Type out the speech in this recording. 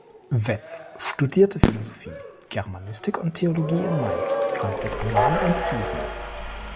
Wetz studierte Philosophie, Germanistik und Theologie in Mainz, Frankfurt am Main und Gießen.